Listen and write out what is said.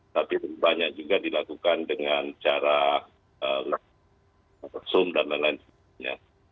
tapi banyak juga dilakukan dengan cara zoom dan lain lain sebagainya